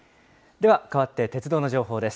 ではかわって鉄道の情報です。